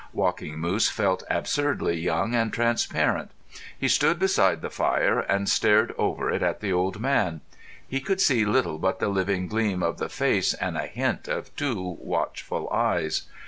Walking Moose felt absurdly young and transparent. He stood beside the fire and stared over it at the old man. He could see little but the living gleam of the face and a hint of two watchful eyes.